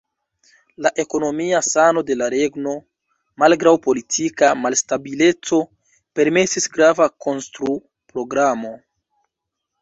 La ekonomia sano de la regno, malgraŭ politika malstabileco, permesis grava konstru-programo.